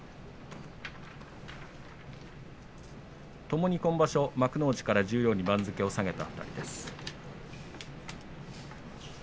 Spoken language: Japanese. ともに今場所、幕内から十両に番付を下げました。